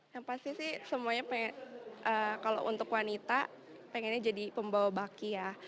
yang pasti sih semuanya pengen kalau untuk wanita pengennya jadi pembawa baki ya